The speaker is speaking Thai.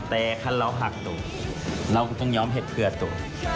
แต่ถ้าเราหักตัวเราก็ต้องยอมเห็นเพื่อตัว